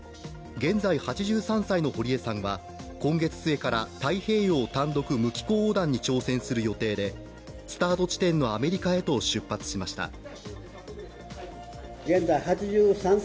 現在、８３歳の堀江さんは今月末から太平洋単独無寄港横断に挑戦する予定でスタート地点のアメリカへと出発しました。